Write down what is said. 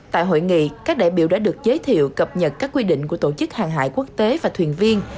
tại hội nghị các đại biểu đã được giới thiệu cập nhật các quy định của tổ chức hàng hải quốc tế và thuyền viên